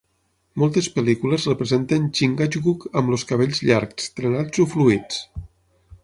Moltes pel·lícules representen Chingachgook amb els cabells llargs, trenats o fluïts.